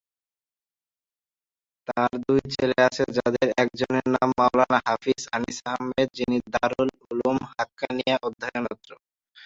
তার দুই ছেলে আছে যাদের একজনের নাম নাম মাওলানা হাফিজ আনিস আহমেদ, যিনি দারুল উলুম হাক্কানিয়ায় অধ্যয়নরত।